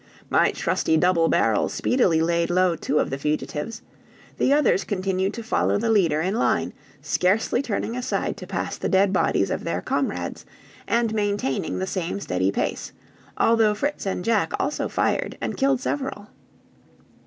My trusty double barrel speedily laid low two of the fugitives; the others continued to follow the leader in line, scarcely turning aside to pass the dead bodies of their comrades, and maintaining the same steady pace, although Fritz and Jack also fired and killed several.